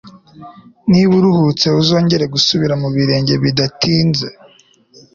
Niba uruhutse uzongera gusubira mu birenge bidatinze